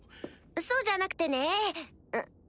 そうじゃなくてね。